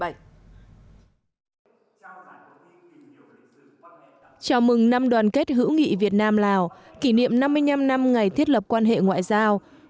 chào mừng năm đoàn kết hữu nghị việt nam lào kỷ niệm năm mươi năm năm ngày thiết lập quan hệ ngoại giao